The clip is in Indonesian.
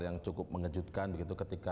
yang cukup mengejutkan begitu ketika